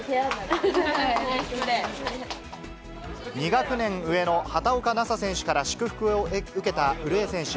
２学年上の畑岡奈紗選手から祝福を受けた古江選手。